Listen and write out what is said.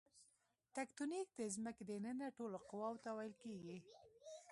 تکتونیک د ځمکې دننه ټولو قواوو ته ویل کیږي.